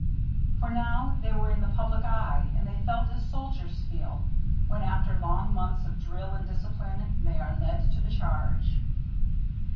For now they were in the public eye, and they felt as soldiers feel, when, after long months of drill and discipline, they are led to the charge.